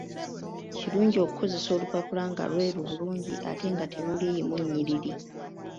Kirungi okukozesa olupapula nga lweru bulungi ate nga teluliimu nnyiriri.